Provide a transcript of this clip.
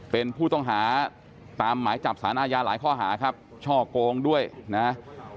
เป็นผู้ต้องหาตามหมายจับสารอาญาหลายข้อหาครับช่อโกงด้วยนะฮะ